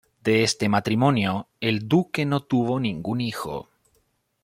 De este matrimonio, el Duque no tuvo ningún hijo.